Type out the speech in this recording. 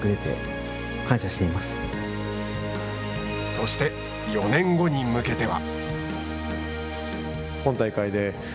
そして４年後に向けては。